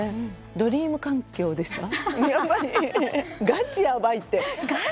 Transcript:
「ドリーム環境」ですか？